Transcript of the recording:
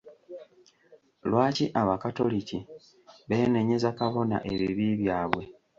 Lwaki abakatoliki beenenyeza Kabona ebibi byabwe?